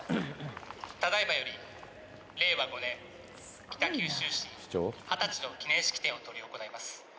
ただいまより令和５年北九州市二十歳の記念式典を執り行います。